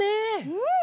うん！